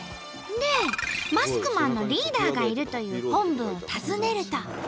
でマスクマンのリーダーがいるという本部を訪ねると。